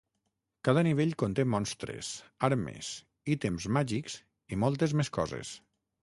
Cada nivell conté monstres, armes, ítems màgics i moltes més coses.